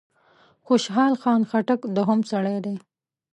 خوشحال خان خټک دوهم سړی دی.